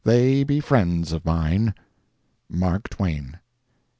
They be friends of mine. MARK TWAIN.